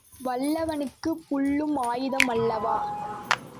வல்லவனுக்குப் புல்லும் ஆயுதம் அல்லவா!